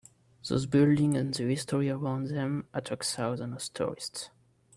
Those buildings and the history around them attract thousands of tourists.